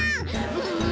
うん。